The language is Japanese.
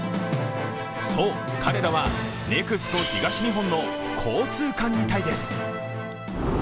そう、彼らはＮＥＸＣＯ東日本の交通管理隊です。